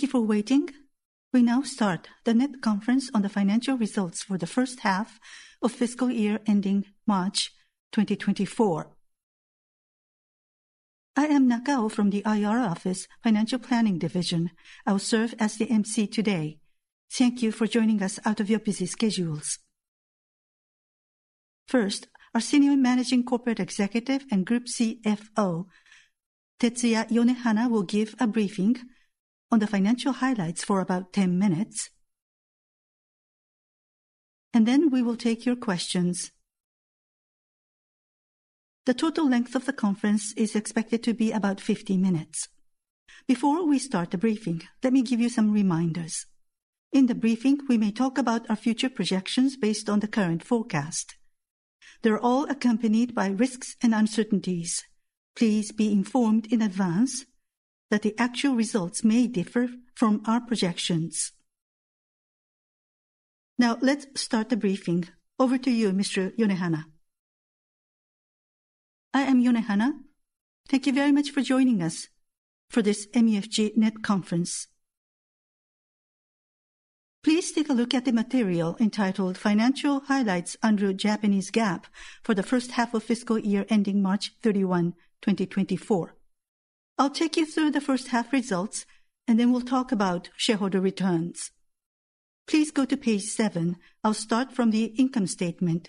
Thank you for waiting. We now start the net conference on the financial results for the first half of fiscal year ending March 2024. I am Nakao from the IR Office Financial Planning Division. I will serve as the MC today. Thank you for joining us out of your busy schedules. First, our Senior Managing Corporate Executive and Group CFO, Tetsuya Yonehana, will give a briefing on the financial highlights for about 10 minutes. And then we will take your questions. The total length of the conference is expected to be about 50 minutes. Before we start the briefing, let me give you some reminders. In the briefing, we may talk about our future projections based on the current forecast. They're all accompanied by risks and uncertainties. Please be informed in advance that the actual results may differ from our projections. Now, let's start the briefing. Over to you, Mr. Yonehana. I am Yonehana. Thank you very much for joining us for this MUFG net conference. Please take a look at the material entitled Financial Highlights under Japanese GAAP for the first half of fiscal year ending March 31, 2024. I'll take you through the first half results, and then we'll talk about shareholder returns. Please go to page seven. I'll start from the income statement.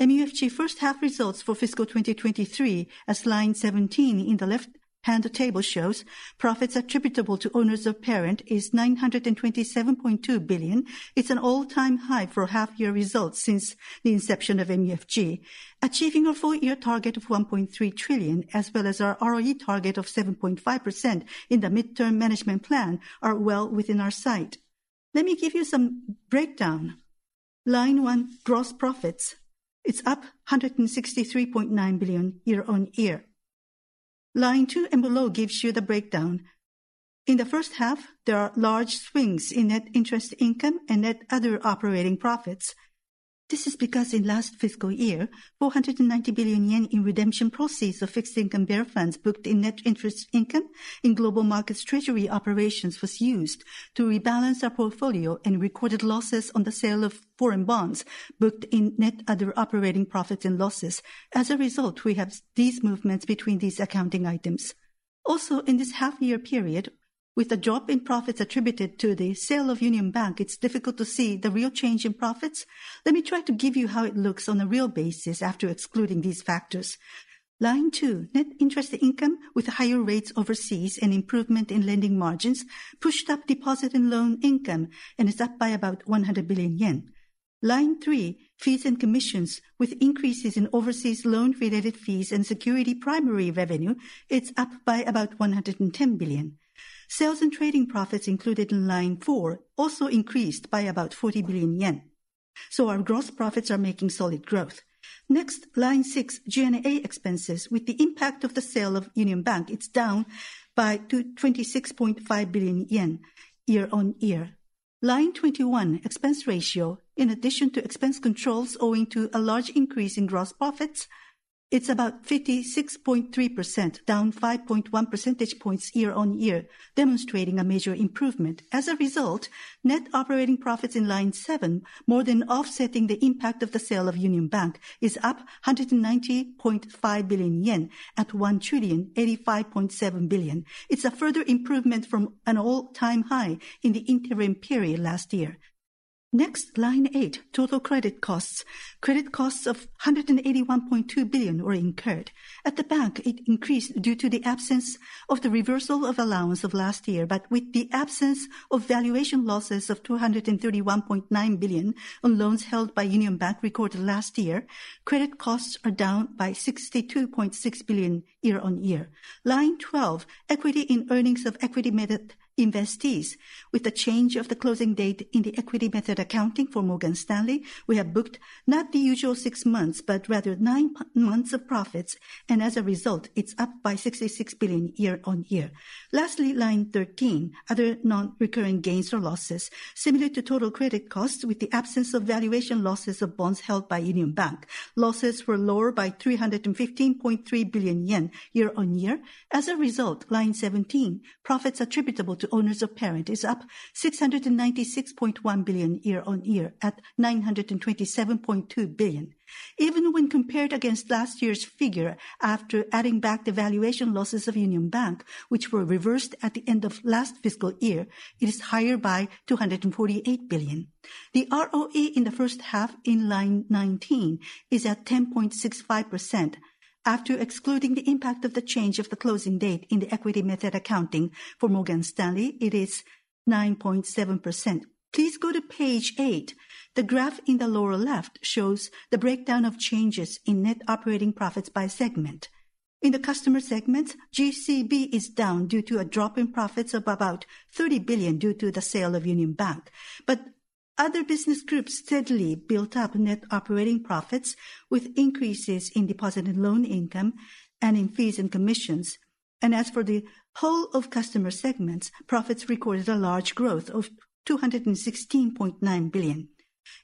MUFG first half results for fiscal 2023, as line 17 in the left-hand table shows, profits attributable to owners of parent is 927.2 billion. It's an all-time high for half year results since the inception of MUFG, achieving a full year target of 1.3 trillion, as well as our ROE target of 7.5% in the midterm management plan, are well within our sight. Let me give you some breakdown. Line one, gross profits, it's up 163.9 billion year-on-year. Line two and below gives you the breakdown. In the first half, there are large swings in net interest income and net other operating profits. This is because in last fiscal year, 490 billion yen in redemption proceeds of fixed-income bear funds booked in net interest income in Global Markets treasury operations was used to rebalance our portfolio and recorded losses on the sale of foreign bonds booked in net other operating profits and losses. As a result, we have these movements between these accounting items. Also, in this half year period, with a drop in profits attributed to the sale of Union Bank, it's difficult to see the real change in profits. Let me try to give you how it looks on a real basis after excluding these factors. Line two, net interest income with higher rates overseas and improvement in lending margins, pushed up deposit and loan income, and is up by about 100 billion yen. Line three, fees and commissions with increases in overseas loan-related fees and security primary revenue, it's up by about 110 billion. Sales & Trading profits included in line four also increased by about 40 billion yen, so our gross profits are making solid growth. Next, line six, G&A expenses. With the impact of the sale of Union Bank, it's down by 26.5 billion yen year-on-year. Line twenty-one, expense ratio. In addition to expense controls, owing to a large increase in gross profits, it's about 56.3%, down 5.1 percentage points year-on-year, demonstrating a major improvement. As a result, net operating profits in line 7, more than offsetting the impact of the sale of Union Bank, is up 190.5 billion yen at 1,085.7 billion. It's a further improvement from an all-time high in the interim period last year. Next, line 8, total credit costs. Credit costs of 181.2 billion were incurred. At the bank, it increased due to the absence of the reversal of allowance of last year, but with the absence of valuation losses of 231.9 billion on loans held by Union Bank recorded last year, credit costs are down by 62.6 billion year-on-year. Line 12, equity in earnings of equity method investees. With the change of the closing date in the equity method accounting for Morgan Stanley, we have booked not the usual 6 months, but rather 9 months of profits, and as a result, it's up by 66 billion year-on-year. Lastly, line 13, other non-recurring gains or losses. Similar to total credit costs, with the absence of valuation losses of bonds held by Union Bank, losses were lower by 315.3 billion yen year-on-year. As a result, line 17, profits attributable to owners of parent is up 696.1 billion year-on-year, at 927.2 billion. Even when compared against last year's figure, after adding back the valuation losses of Union Bank, which were reversed at the end of last fiscal year, it is higher by 248 billion. The ROE in the first half, in line 19, is at 10.65%. After excluding the impact of the change of the closing date in the equity method accounting for Morgan Stanley, it is 9.7%. Please go to page 8. The graph in the lower left shows the breakdown of changes in net operating profits by segment. In the customer segments, GCB is down due to a drop in profits of about 30 billion due to the sale of Union Bank. But other business groups steadily built up net operating profits, with increases in deposit and loan income and in fees and commissions. And as for the whole of customer segments, profits recorded a large growth of 216.9 billion.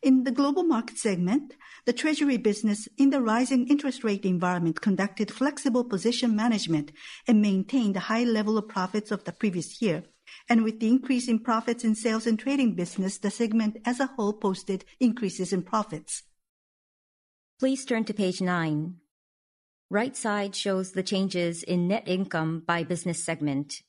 In the Global Markets segment, the treasury business in the rising interest rate environment conducted flexible position management and maintained a high level of profits of the previous year. With the increase in profits and sales in trading business, the segment as a whole posted increases in profits. Please turn to page 9. Right side shows the changes in net income by business segment.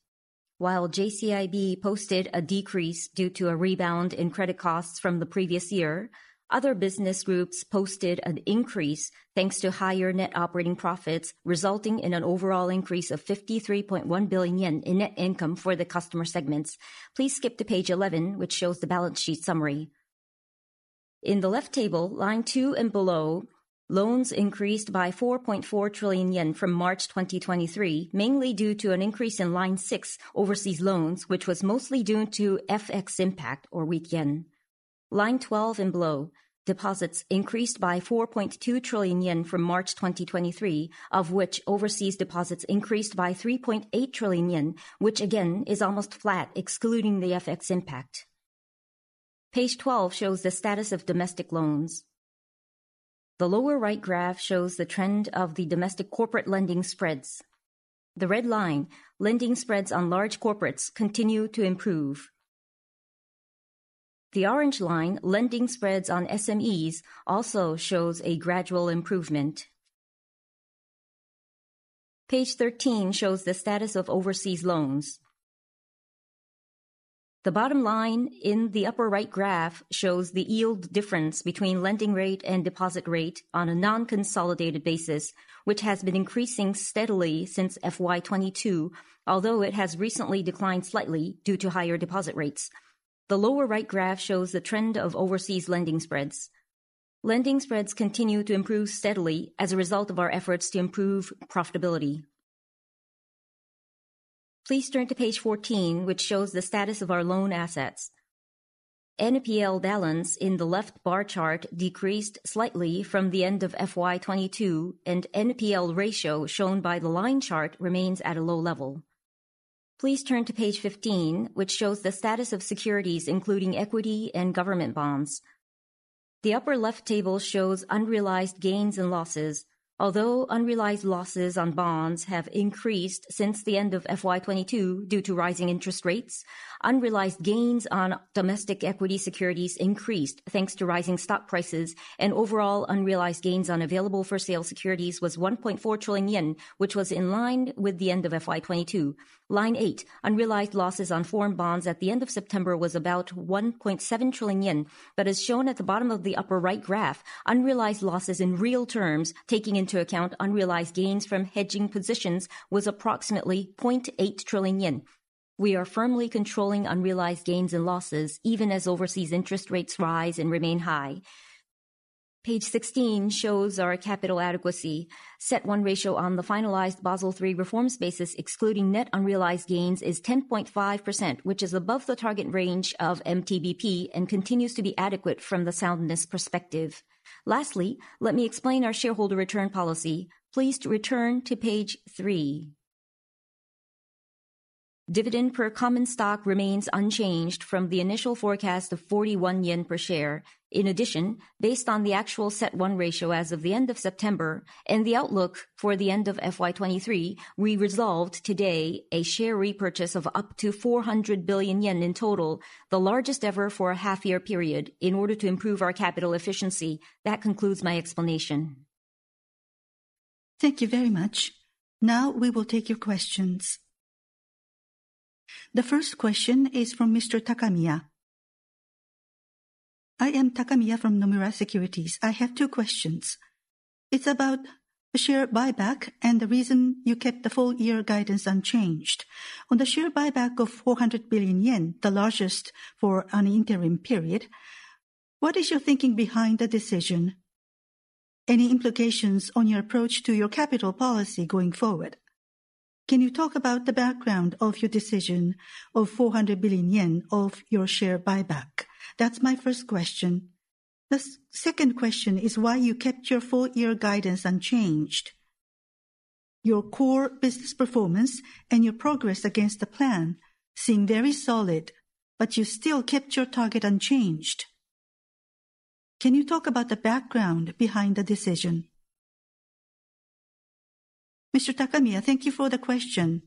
While JCIB posted a decrease due to a rebound in credit costs from the previous year, other business groups posted an increase, thanks to higher net operating profits, resulting in an overall increase of 53.1 billion yen in net income for the customer segments. Please skip to page 11, which shows the balance sheet summary. In the left table, line 2 and below, loans increased by 4.4 trillion yen from March 2023, mainly due to an increase in line 6, overseas loans, which was mostly due to FX impact or weak yen. Line 12 and below, deposits increased by 4.2 trillion yen from March 2023, of which overseas deposits increased by 3.8 trillion yen, which again, is almost flat, excluding the FX impact. Page 12 shows the status of domestic loans. The lower right graph shows the trend of the domestic corporate lending spreads. The red line, lending spreads on large corporates, continue to improve. The orange line, lending spreads on SMEs, also shows a gradual improvement. Page 13 shows the status of overseas loans. The bottom line in the upper right graph shows the yield difference between lending rate and deposit rate on a non-consolidated basis, which has been increasing steadily since FY 2022, although it has recently declined slightly due to higher deposit rates. The lower right graph shows the trend of overseas lending spreads. Lending spreads continue to improve steadily as a result of our efforts to improve profitability. Please turn to page 14, which shows the status of our loan assets. NPL balance in the left bar chart decreased slightly from the end of FY 2022, and NPL ratio, shown by the line chart, remains at a low level. Please turn to page 15, which shows the status of securities, including equity and government bonds. The upper left table shows unrealized gains and losses. Although unrealized losses on bonds have increased since the end of FY 2022 due to rising interest rates, unrealized gains on domestic equity securities increased, thanks to rising stock prices, and overall unrealized gains on available-for-sale securities was 1.4 trillion yen, which was in line with the end of FY 2022. Line 8, unrealized losses on foreign bonds at the end of September was about 1.7 trillion yen. But as shown at the bottom of the upper right graph, unrealized losses in real terms, taking into account unrealized gains from hedging positions, was approximately 0.8 trillion yen. We are firmly controlling unrealized gains and losses, even as overseas interest rates rise and remain high. Page 16 shows our capital adequacy. CET1 ratio on the finalized Basel III reforms basis, excluding net unrealized gains, is 10.5%, which is above the target range of MTBP and continues to be adequate from the soundness perspective. Lastly, let me explain our shareholder return policy. Please return to page 3. Dividend per common stock remains unchanged from the initial forecast of 41 yen per share. In addition, based on the actual CET1 ratio as of the end of September and the outlook for the end of FY 2023, we resolved today a share repurchase of up to 400 billion yen in total, the largest ever for a half-year period, in order to improve our capital efficiency. That concludes my explanation. Thank you very much. Now we will take your questions. The first question is from Mr. Takamiya. I am Takamiya from Nomura Securities. I have two questions. It's about the share buyback and the reason you kept the full-year guidance unchanged. On the share buyback of 400 billion yen, the largest for an interim period, what is your thinking behind the decision? Any implications on your approach to your capital policy going forward? Can you talk about the background of your decision of 400 billion yen of your share buyback? That's my first question. The second question is why you kept your full-year guidance unchanged. Your core business performance and your progress against the plan seem very solid, but you still kept your target unchanged. Can you talk about the background behind the decision? Mr. Takamiya, thank you for the question.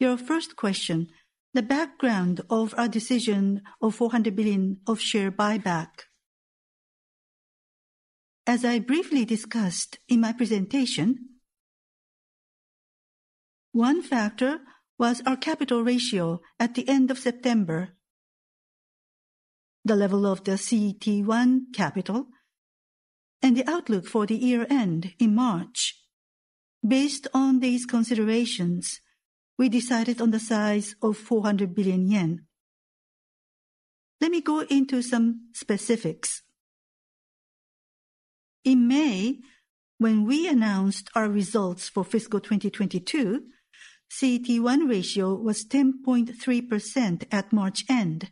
Your first question, the background of our decision of 400 billion of share buyback. As I briefly discussed in my presentation, one factor was our capital ratio at the end of September, the level of the CET1 capital, and the outlook for the year-end in March. Based on these considerations, we decided on the size of 400 billion yen. Let me go into some specifics. In May, when we announced our results for fiscal 2022, CET1 ratio was 10.3% at March end.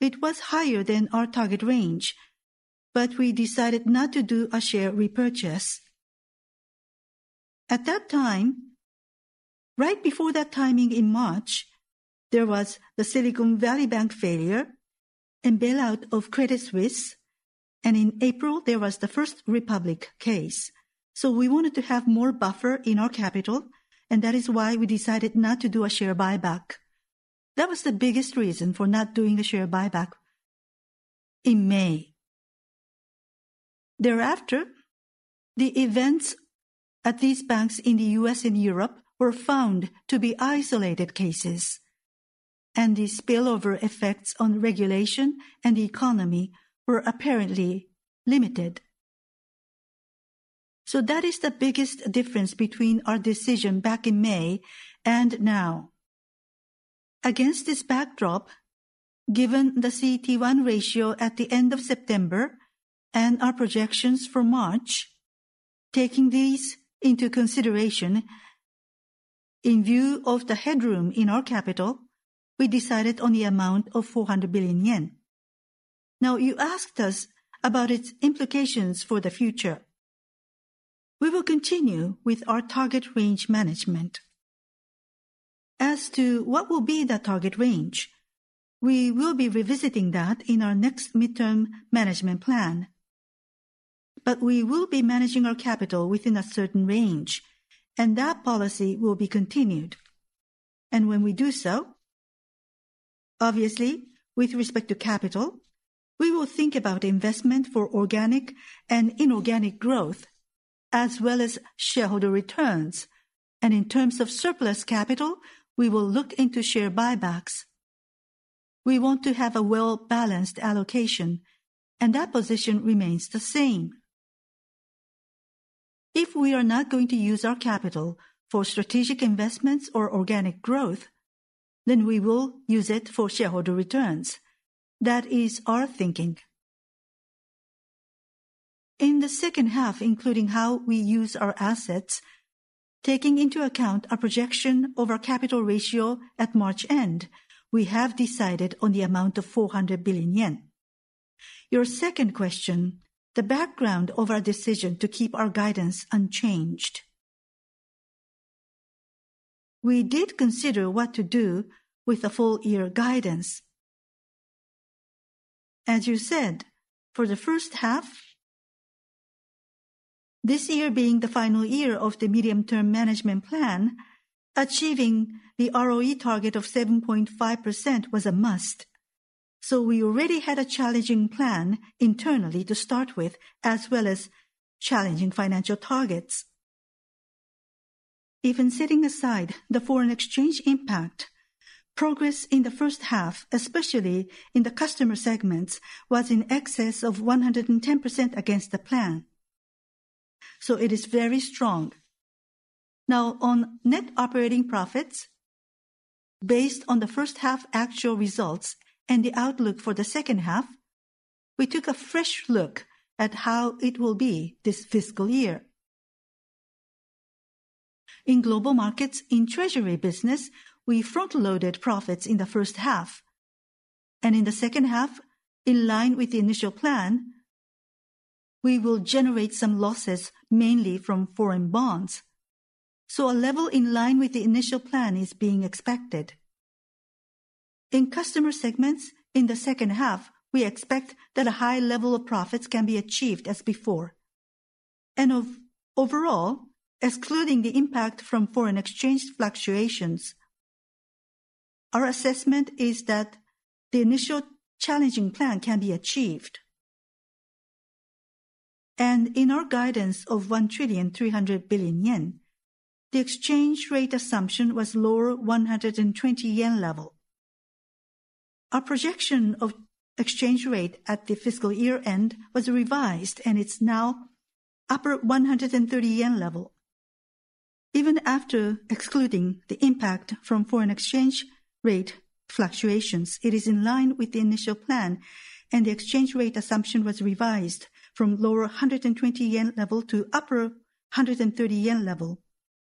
It was higher than our target range, but we decided not to do a share repurchase.... At that time, right before that timing in March, there was the Silicon Valley Bank failure and bailout of Credit Suisse, and in April, there was the First Republic case. So we wanted to have more buffer in our capital, and that is why we decided not to do a share buyback. That was the biggest reason for not doing the share buyback in May. Thereafter, the events at these banks in the U.S. and Europe were found to be isolated cases, and the spillover effects on regulation and the economy were apparently limited. So that is the biggest difference between our decision back in May and now. Against this backdrop, given the CET1 ratio at the end of September and our projections for March, taking these into consideration, in view of the headroom in our capital, we decided on the amount of 400 billion yen. Now, you asked us about its implications for the future. We will continue with our target range management. As to what will be the target range, we will be revisiting that in our next midterm management plan. But we will be managing our capital within a certain range, and that policy will be continued. And when we do so, obviously, with respect to capital, we will think about investment for organic and inorganic growth, as well as shareholder returns. And in terms of surplus capital, we will look into share buybacks. We want to have a well-balanced allocation, and that position remains the same. If we are not going to use our capital for strategic investments or organic growth, then we will use it for shareholder returns. That is our thinking. In the second half, including how we use our assets, taking into account our projection of our capital ratio at March end, we have decided on the amount of 400 billion yen. Your second question, the background of our decision to keep our guidance unchanged. We did consider what to do with the full year guidance. As you said, for the first half, this year being the final year of the medium-term management plan, achieving the ROE target of 7.5% was a must. So we already had a challenging plan internally to start with, as well as challenging financial targets. Even setting aside the foreign exchange impact, progress in the first half, especially in the customer segments, was in excess of 110% against the plan. So it is very strong. Now, on net operating profits, based on the first half actual results and the outlook for the second half, we took a fresh look at how it will be this fiscal year. In global markets, in treasury business, we front-loaded profits in the first half, and in the second half, in line with the initial plan, we will generate some losses, mainly from foreign bonds. So a level in line with the initial plan is being expected. In customer segments in the second half, we expect that a high level of profits can be achieved as before. Overall, excluding the impact from foreign exchange fluctuations, our assessment is that the initial challenging plan can be achieved. In our guidance of 1.3 trillion, the exchange rate assumption was lower 120 yen level. Our projection of exchange rate at the fiscal year-end was revised, and it's now upper 130 yen level. Even after excluding the impact from foreign exchange rate fluctuations, it is in line with the initial plan, and the exchange rate assumption was revised from lower 120 yen level to upper 130 yen level.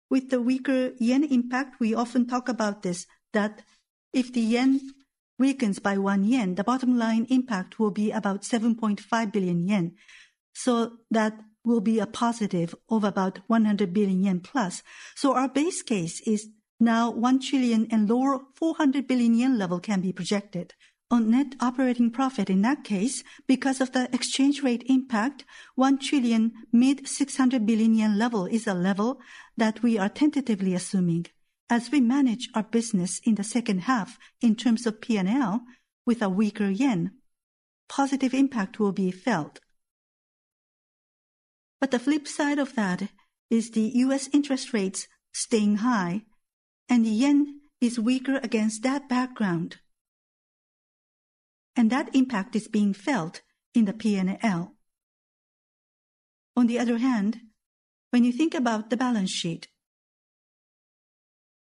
With the weaker yen impact, we often talk about this, that if the yen weakens by 1 yen, the bottom line impact will be about 7.5 billion yen. So that will be a positive of about 100 billion yen plus. So our base case is now 1.4 trillion level can be projected. On net operating profit in that case, because of the exchange rate impact, 1.6 trillion level is a level that we are tentatively assuming. As we manage our business in the second half in terms of P&L with a weaker yen, positive impact will be felt. But the flip side of that is the U.S. interest rates staying high, and the yen is weaker against that background. That impact is being felt in the P&L. On the other hand, when you think about the balance sheet,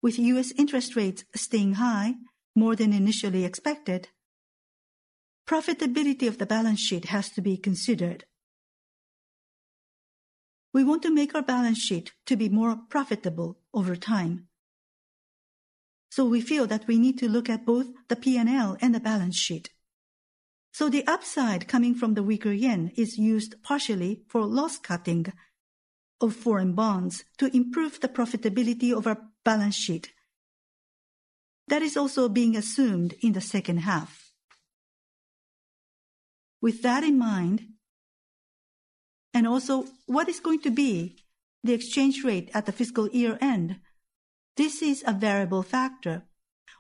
with U.S. interest rates staying high, more than initially expected, profitability of the balance sheet has to be considered. We want to make our balance sheet to be more profitable over time. So we feel that we need to look at both the P&L and the balance sheet. So the upside coming from the weaker yen is used partially for loss cutting of foreign bonds to improve the profitability of our balance sheet. That is also being assumed in the second half. With that in mind, and also what is going to be the exchange rate at the fiscal year-end? This is a variable factor.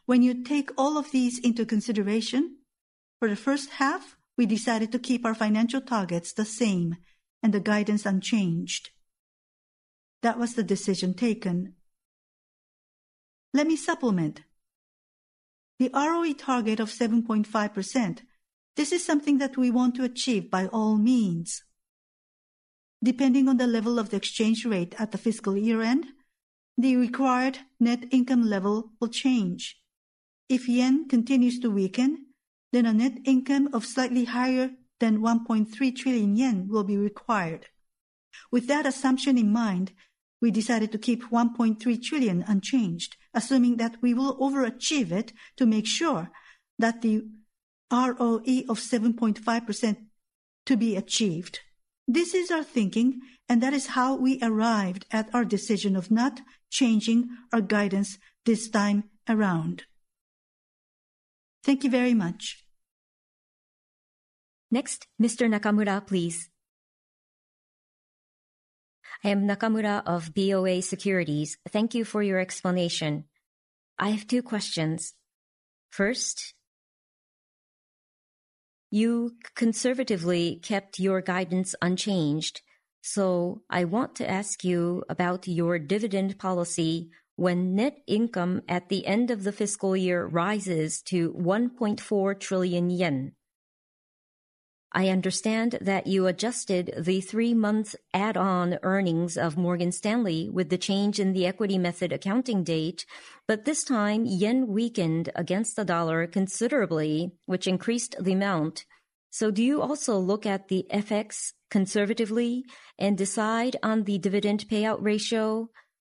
When you take all of these into consideration, for the first half, we decided to keep our financial targets the same and the guidance unchanged. That was the decision taken. Let me supplement. The ROE target of 7.5%, this is something that we want to achieve by all means. Depending on the level of the exchange rate at the fiscal year-end, the required net income level will change. If yen continues to weaken, then a net income of slightly higher than 1.3 trillion yen will be required. With that assumption in mind, we decided to keep 1.3 trillion unchanged, assuming that we will overachieve it to make sure that the ROE of 7.5% to be achieved. This is our thinking, and that is how we arrived at our decision of not changing our guidance this time around. Thank you very much. Next, Mr. Nakamura, please. I am Nakamura of BofA Securities. Thank you for your explanation. I have two questions. First, you conservatively kept your guidance unchanged, so I want to ask you about your dividend policy when net income at the end of the fiscal year rises to 1.4 trillion yen. I understand that you adjusted the three-month add-on earnings of Morgan Stanley with the change in the equity method accounting date, but this time, yen weakened against the dollar considerably, which increased the amount. So do you also look at the FX conservatively and decide on the dividend payout ratio,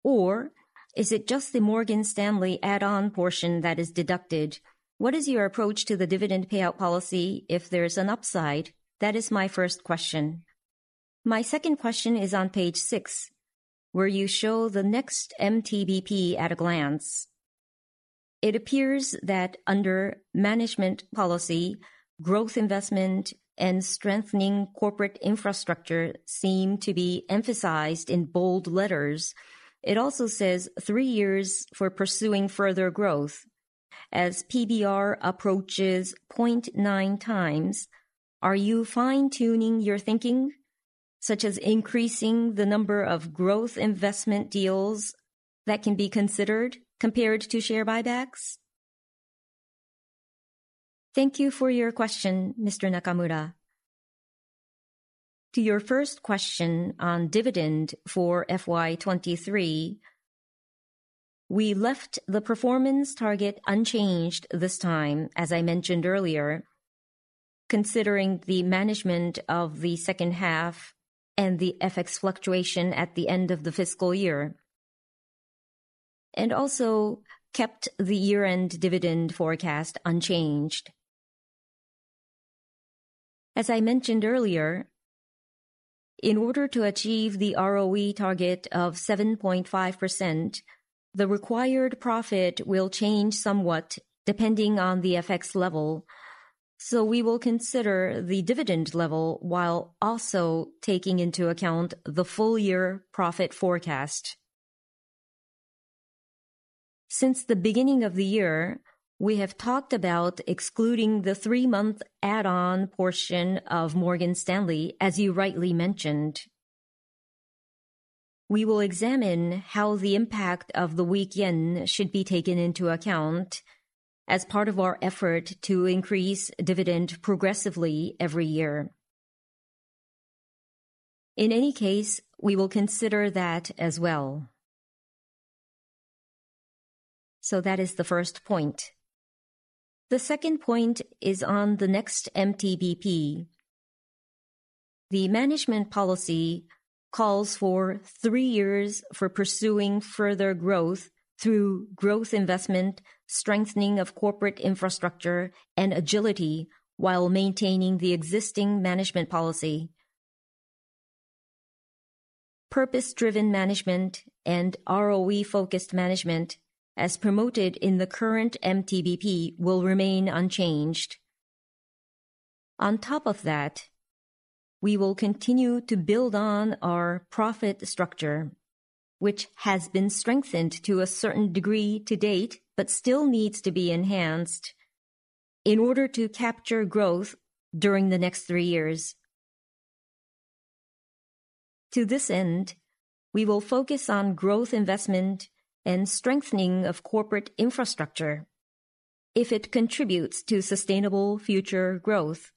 or is it just the Morgan Stanley add-on portion that is deducted? What is your approach to the dividend payout policy if there's an upside? That is my first question. My second question is on page six, where you show the next MTBP at a glance. It appears that under management policy, growth investment and strengthening corporate infrastructure seem to be emphasized in bold letters. It also says three years for pursuing further growth. As PBR approaches 0.9 times, are you fine-tuning your thinking, such as increasing the number of growth investment deals that can be considered compared to share buybacks? Thank you for your question, Mr. Nakamura. To your first question on dividend for FY 2023, we left the performance target unchanged this time, as I mentioned earlier, considering the management of the second half and the FX fluctuation at the end of the fiscal year, and also kept the year-end dividend forecast unchanged. As I mentioned earlier, in order to achieve the ROE target of 7.5%, the required profit will change somewhat depending on the FX level, so we will consider the dividend level while also taking into account the full year profit forecast. Since the beginning of the year, we have talked about excluding the 3-month add-on portion of Morgan Stanley, as you rightly mentioned. We will examine how the impact of the weak yen should be taken into account as part of our effort to increase dividend progressively every year. In any case, we will consider that as well. So that is the first point. The second point is on the next MTBP. The management policy calls for three years for pursuing further growth through growth investment, strengthening of corporate infrastructure, and agility while maintaining the existing management policy. Purpose-driven management and ROE-focused management, as promoted in the current MTBP, will remain unchanged. On top of that, we will continue to build on our profit structure, which has been strengthened to a certain degree to date, but still needs to be enhanced in order to capture growth during the next three years. To this end, we will focus on growth investment and strengthening of corporate infrastructure if it contributes to sustainable future growth,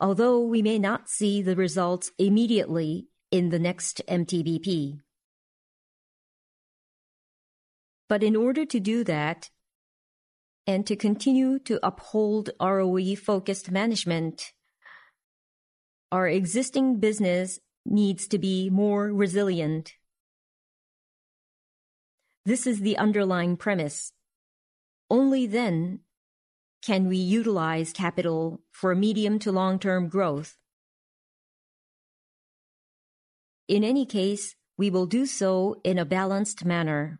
although we may not see the results immediately in the next MTBP. But in order to do that, and to continue to uphold ROE-focused management-... Our existing business needs to be more resilient. This is the underlying premise. Only then can we utilize capital for medium to long-term growth. In any case, we will do so in a balanced manner.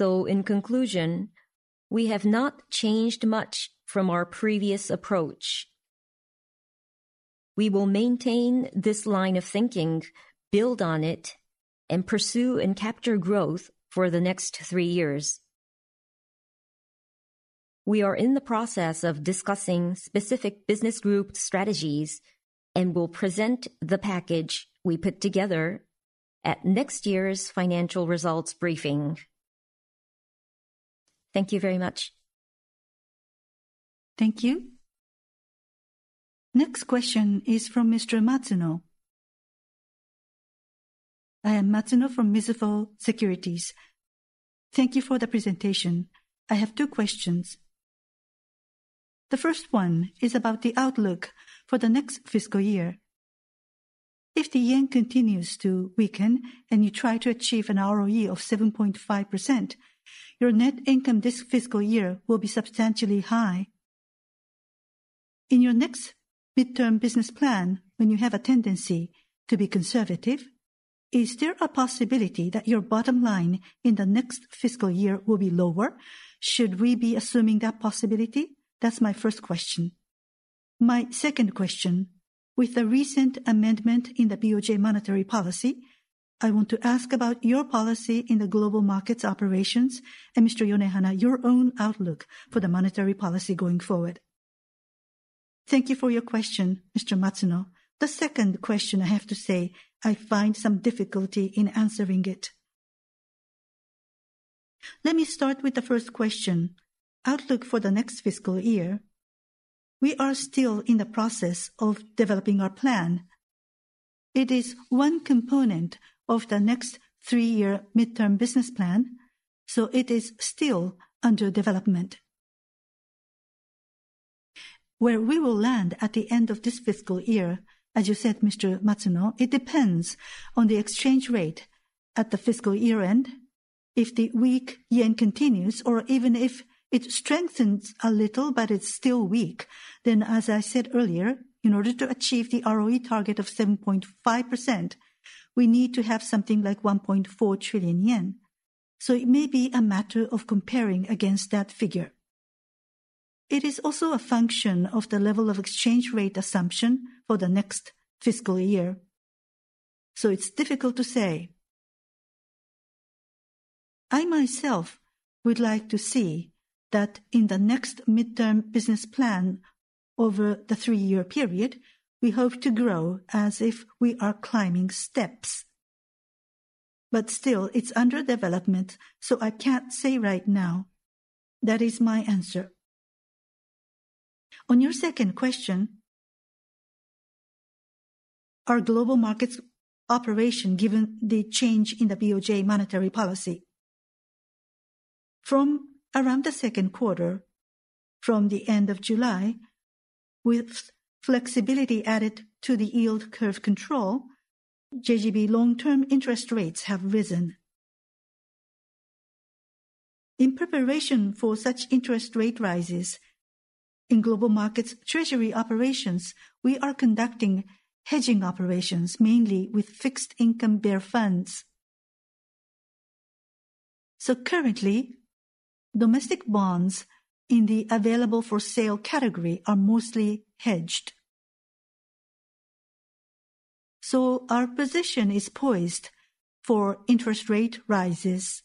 In conclusion, we have not changed much from our previous approach. We will maintain this line of thinking, build on it, and pursue and capture growth for the next three years. We are in the process of discussing specific business group strategies, and will present the package we put together at next year's financial results briefing. Thank you very much. Thank you. Next question is from Mr. Matsuno. I am Matsuno from Mizuho Securities. Thank you for the presentation. I have two questions. The first one is about the outlook for the next fiscal year. If the yen continues to weaken and you try to achieve an ROE of 7.5%, your net income this fiscal year will be substantially high. In your next midterm business plan, when you have a tendency to be conservative, is there a possibility that your bottom line in the next fiscal year will be lower? Should we be assuming that possibility? That's my first question. My second question, with the recent amendment in the BOJ monetary policy, I want to ask about your policy in the global markets operations, and Mr. Yonehana, your own outlook for the monetary policy going forward. Thank you for your question, Mr. Matsuno. The second question, I have to say, I find some difficulty in answering it. Let me start with the first question, outlook for the next fiscal year. We are still in the process of developing our plan. It is one component of the next three-year midterm business plan, so it is still under development. Where we will land at the end of this fiscal year, as you said, Mr. Matsuno, it depends on the exchange rate at the fiscal year-end. If the weak yen continues, or even if it strengthens a little but it's still weak, then as I said earlier, in order to achieve the ROE target of 7.5%, we need to have something like 1.4 trillion yen. So it may be a matter of comparing against that figure. It is also a function of the level of exchange rate assumption for the next fiscal year, so it's difficult to say. I myself would like to see that in the next midterm business plan over the three-year period, we hope to grow as if we are climbing steps. But still, it's under development, so I can't say right now. That is my answer. On your second question, our global markets operation, given the change in the BOJ monetary policy. From around the second quarter, from the end of July, with flexibility added to the yield curve control, JGB long-term interest rates have risen. In preparation for such interest rate rises in global markets treasury operations, we are conducting hedging operations, mainly with fixed-income bear funds. So currently, domestic bonds in the available-for-sale category are mostly hedged. So our position is poised for interest rate rises.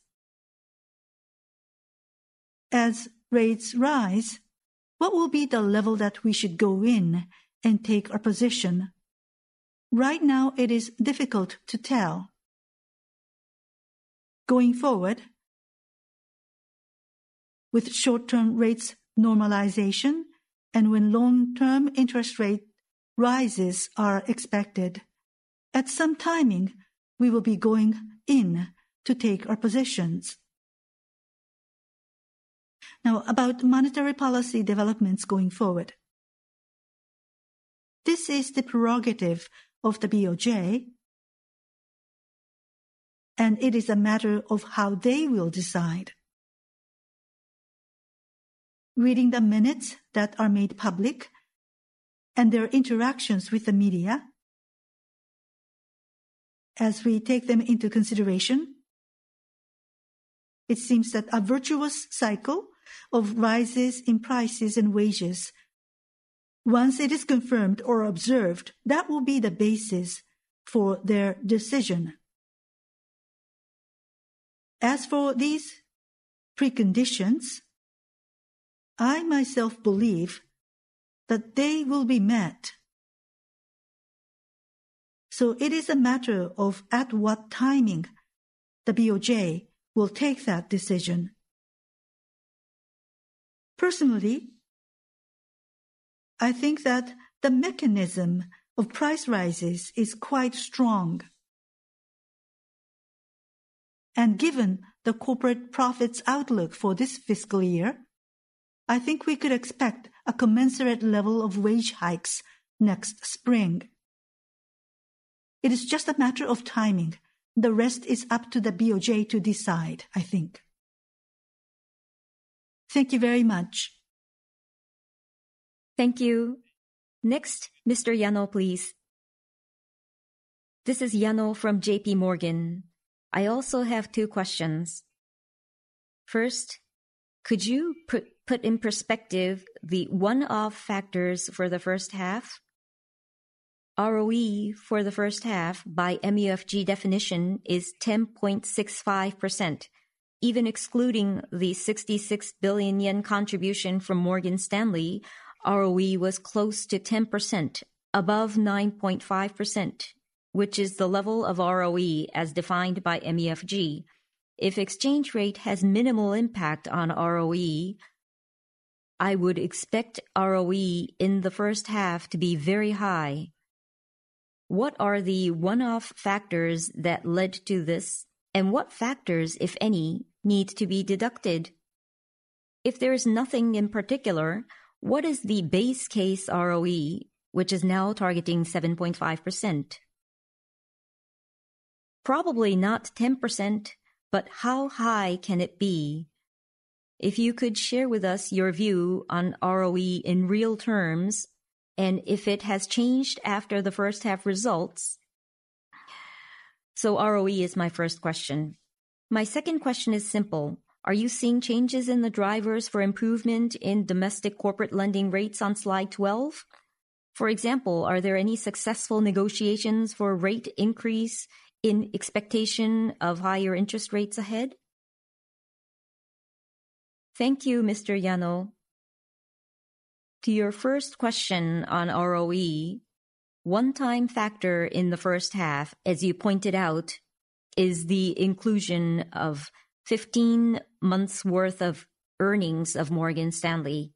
As rates rise, what will be the level that we should go in and take our position? Right now, it is difficult to tell. Going forward, with short-term rates normalization and when long-term interest rate rises are expected, at some timing, we will be going in to take our positions. Now, about monetary policy developments going forward, this is the prerogative of the BOJ, and it is a matter of how they will decide. Reading the minutes that are made public and their interactions with the media, as we take them into consideration, it seems that a virtuous cycle of rises in prices and wages, once it is confirmed or observed, that will be the basis for their decision. As for these preconditions, I myself believe that they will be met. So it is a matter of at what timing the BOJ will take that decision. Personally, I think that the mechanism of price rises is quite strong... and given the corporate profits outlook for this fiscal year, I think we could expect a commensurate level of wage hikes next spring. It is just a matter of timing. The rest is up to the BOJ to decide, I think. Thank you very much. Thank you. Next, Mr. Yano, please. This is Yano from J.P. Morgan. I also have two questions. First, could you put in perspective the one-off factors for the first half? ROE for the first half by MUFG definition is 10.65%. Even excluding the 66 billion yen contribution from Morgan Stanley, ROE was close to 10%, above 9.5%, which is the level of ROE as defined by MUFG. If exchange rate has minimal impact on ROE, I would expect ROE in the first half to be very high. What are the one-off factors that led to this? And what factors, if any, need to be deducted? If there is nothing in particular, what is the base case ROE, which is now targeting 7.5%? Probably not 10%, but how high can it be? If you could share with us your view on ROE in real terms, and if it has changed after the first half results. So ROE is my first question. My second question is simple: Are you seeing changes in the drivers for improvement in domestic corporate lending rates on slide 12? For example, are there any successful negotiations for rate increase in expectation of higher interest rates ahead? Thank you, Mr. Yano. To your first question on ROE, one-time factor in the first half, as you pointed out, is the inclusion of 15 months' worth of earnings of Morgan Stanley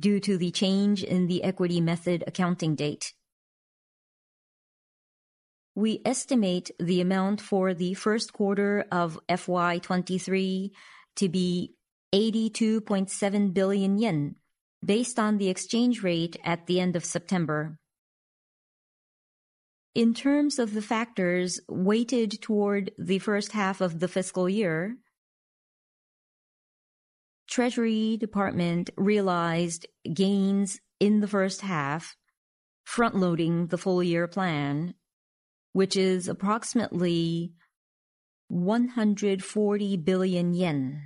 due to the change in the equity method accounting date. We estimate the amount for the first quarter of FY 2023 to be 82.7 billion yen, based on the exchange rate at the end of September. In terms of the factors weighted toward the first half of the fiscal year, Treasury Department realized gains in the first half, front-loading the full-year plan, which is approximately 140 billion yen.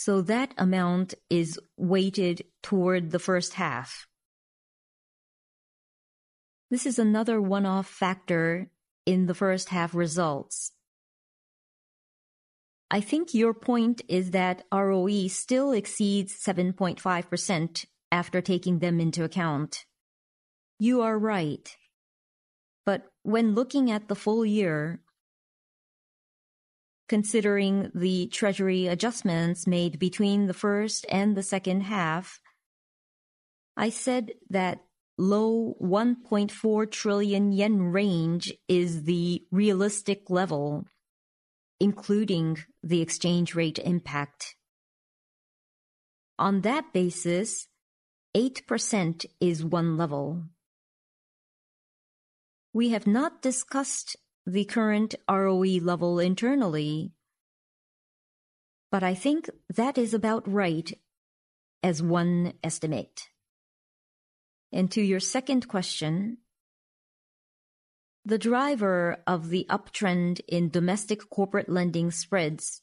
So that amount is weighted toward the first half. This is another one-off factor in the first half results. I think your point is that ROE still exceeds 7.5% after taking them into account. You are right, but when looking at the full year, considering the treasury adjustments made between the first and the second half, I said that low 1.4 trillion yen range is the realistic level, including the exchange rate impact. On that basis, 8% is one level. We have not discussed the current ROE level internally, but I think that is about right as one estimate. To your second question, the driver of the uptrend in domestic corporate lending spreads,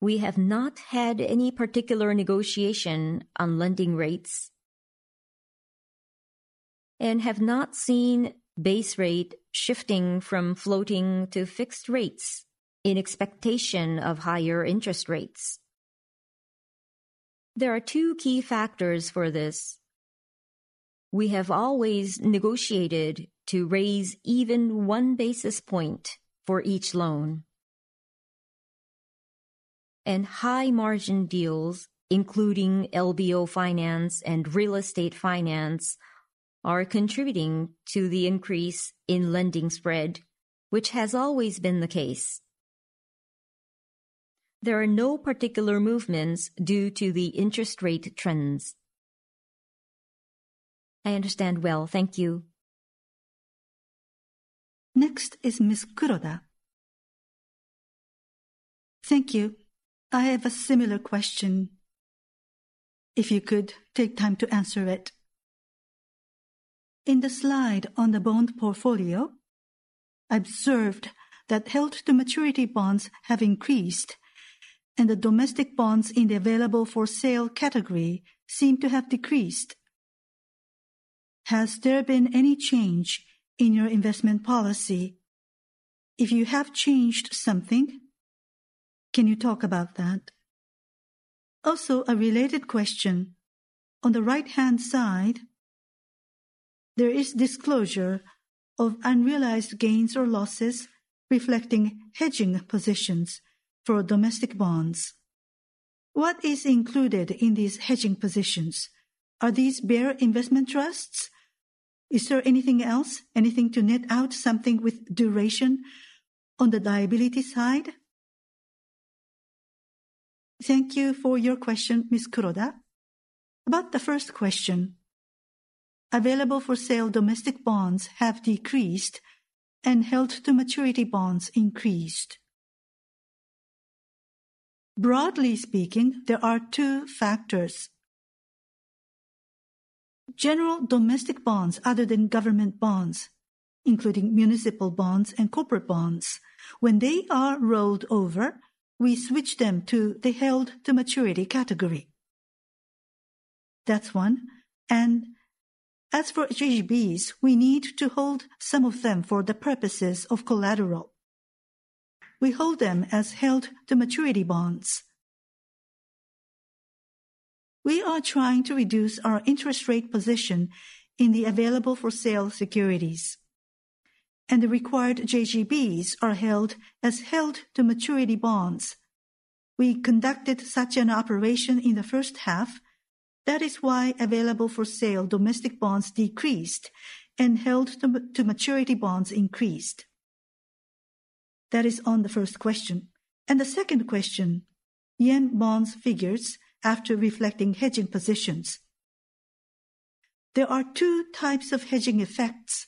we have not had any particular negotiation on lending rates and have not seen base rate shifting from floating to fixed rates in expectation of higher interest rates. There are two key factors for this. We have always negotiated to raise even one basis point for each loan. And high-margin deals, including LBO finance and real estate finance, are contributing to the increase in lending spread, which has always been the case. There are no particular movements due to the interest rate trends. I understand well. Thank you. Next is Ms. Kuroda. Thank you. I have a similar question, if you could take time to answer it. In the slide on the bond portfolio, I observed that held-to-maturity bonds have increased and the domestic bonds in the available-for-sale category seem to have decreased. Has there been any change in your investment policy? If you have changed something, can you talk about that? Also, a related question. On the right-hand side, there is disclosure of unrealized gains or losses reflecting hedging positions for domestic bonds. What is included in these hedging positions? Are these bear investment trusts? Is there anything else, anything to net out, something with duration on the liability side? Thank you for your question, Ms. Kuroda. About the first question, available-for-sale domestic bonds have decreased and held-to-maturity bonds increased. Broadly speaking, there are two factors. General domestic bonds other than government bonds, including municipal bonds and corporate bonds, when they are rolled over, we switch them to the held-to-maturity category. That's one. And as for JGBs, we need to hold some of them for the purposes of collateral. We hold them as held-to-maturity bonds. We are trying to reduce our interest rate position in the available-for-sale securities, and the required JGBs are held as held-to-maturity bonds. We conducted such an operation in the first half. That is why available-for-sale domestic bonds decreased and held-to-maturity bonds increased. That is on the first question. And the second question, yen bonds figures after reflecting hedging positions. There are two types of hedging effects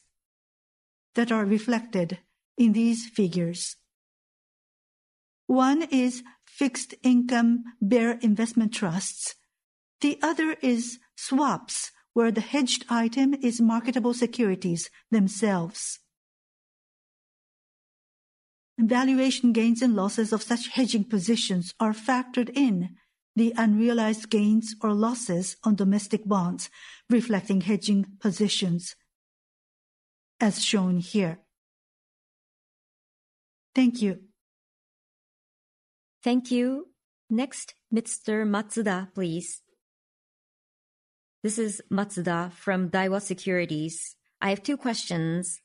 that are reflected in these figures. One is fixed-income bear investment trusts, the other is swaps, where the hedged item is marketable securities themselves. Valuation gains and losses of such hedging positions are factored in the unrealized gains or losses on domestic bonds, reflecting hedging positions as shown here. Thank you. Thank you. Next, Mr. Matsuda, please. This is Matsuda from Daiwa Securities. I have two questions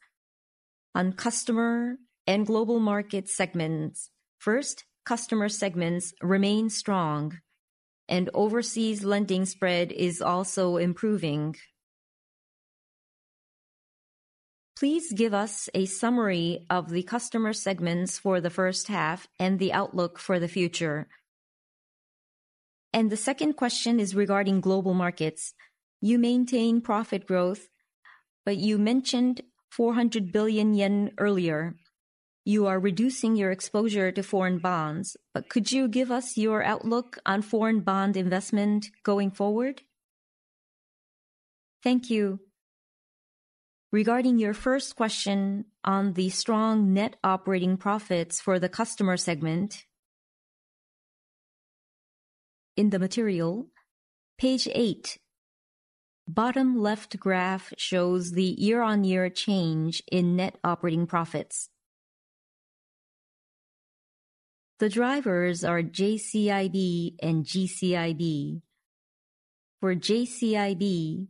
on customer and global market segments. First, customer segments remain strong, and overseas lending spread is also improving. Please give us a summary of the customer segments for the first half and the outlook for the future. The second question is regarding global markets. You maintain profit growth, but you mentioned 400 billion yen earlier. You are reducing your exposure to foreign bonds, but could you give us your outlook on foreign bond investment going forward? Thank you. Regarding your first question on the strong net operating profits for the customer segment, in the material, page 8, bottom left graph shows the year-on-year change in net operating profits. The drivers are JCIB and GCIB. For JCIB,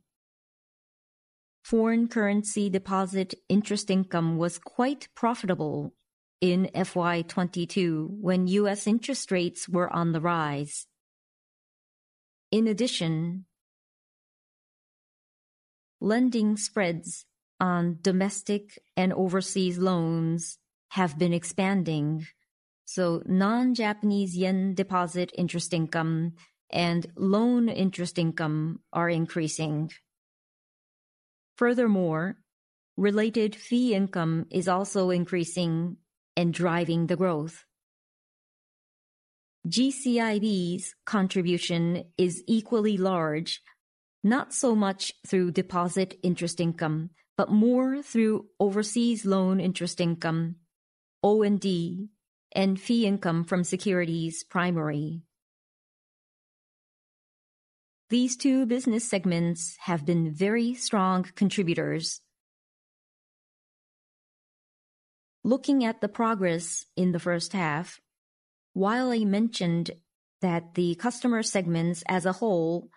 foreign currency deposit interest income was quite profitable in FY 2022 when US interest rates were on the rise. In addition, lending spreads on domestic and overseas loans have been expanding, so non-Japanese yen deposit interest income and loan interest income are increasing. Furthermore, related fee income is also increasing and driving the growth. GCIB's contribution is equally large, not so much through deposit interest income, but more through overseas loan interest income, O&D, and fee income from securities primary. These two business segments have been very strong contributors. Looking at the progress in the first half, while I mentioned that the customer segments as a whole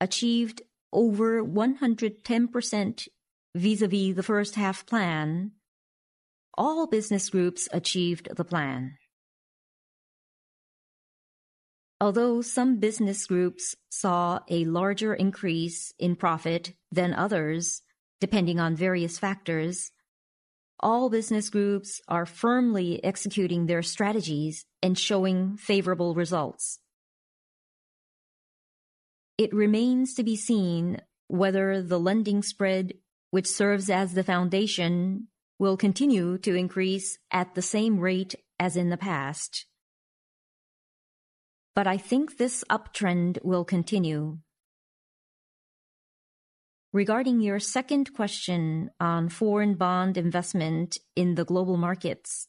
achieved over 110% vis-à-vis the first half plan, all business groups achieved the plan. Although some business groups saw a larger increase in profit than others, depending on various factors, all business groups are firmly executing their strategies and showing favorable results. It remains to be seen whether the lending spread, which serves as the foundation, will continue to increase at the same rate as in the past, but I think this uptrend will continue. Regarding your second question on foreign bond investment in the global markets,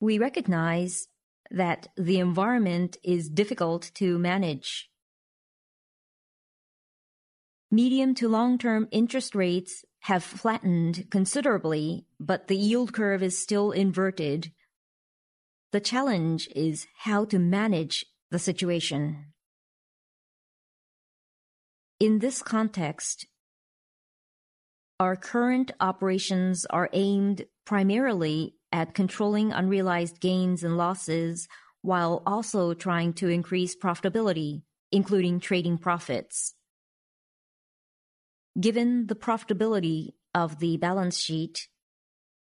we recognize that the environment is difficult to manage. Medium to long-term interest rates have flattened considerably, but the yield curve is still inverted. The challenge is how to manage the situation. ...In this context, our current operations are aimed primarily at controlling unrealized gains and losses, while also trying to increase profitability, including trading profits. Given the profitability of the balance sheet,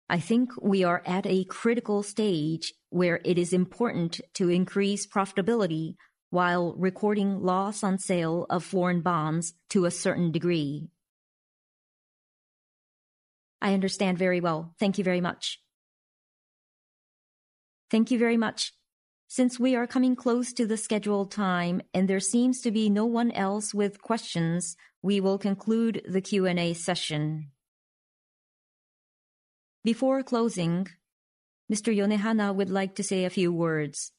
I think we are at a critical stage where it is important to increase profitability while recording loss on sale of foreign bonds to a certain degree. I understand very well. Thank you very much. Thank you very much. Since we are coming close to the scheduled time, and there seems to be no one else with questions, we will conclude the Q&A session. Before closing, Mr. Yonehana would like to say a few words.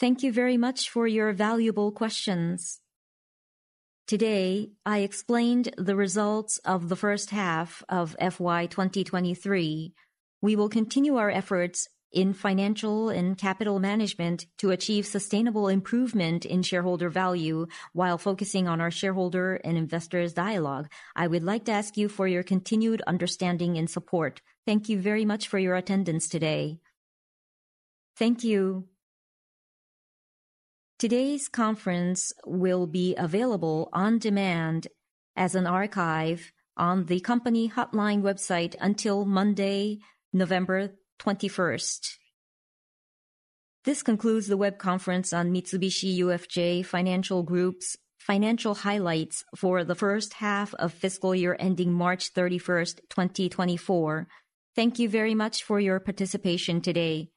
Thank you very much for your valuable questions. Today, I explained the results of the first half of FY 2023. We will continue our efforts in financial and capital management to achieve sustainable improvement in shareholder value while focusing on our shareholder and investors dialogue. I would like to ask you for your continued understanding and support. Thank you very much for your attendance today. Thank you. Today's conference will be available on demand as an archive on the company hotline website until Monday, November 21st. This concludes the web conference on Mitsubishi UFJ Financial Group's financial highlights for the first half of fiscal year, ending March 31st, 2024. Thank you very much for your participation today.